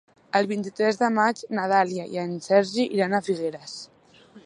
El vint-i-tres de maig na Dàlia i en Sergi iran a Figueres.